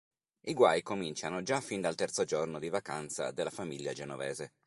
I guai cominciano già fin dal terzo giorno di vacanza della famiglia genovese.